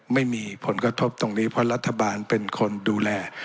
ไม่มีผลกระทบตรงนี้เพราะรัฐบาลเป็นคนดูแล